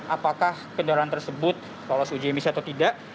apakah kendaraan tersebut lolos uji emisi atau tidak